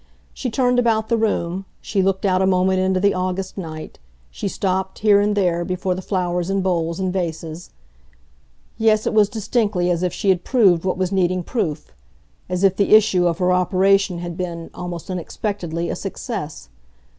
She turned about the room; she looked out a moment into the August night; she stopped, here and there, before the flowers in bowls and vases. Yes, it was distinctly as if she had proved what was needing proof, as if the issue of her operation had been, almost unexpectedly, a success.